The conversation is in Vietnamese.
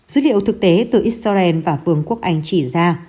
dữ liệu thực tế từ israel và vương quốc anh chỉ ra